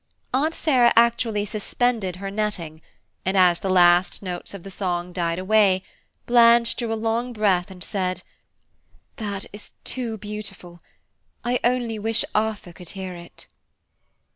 Aunt Sarah actually suspended her netting, and as the last notes of the song died away, Blanche drew a long breath and said, "That is too beautiful–I only wish Arthur could hear it."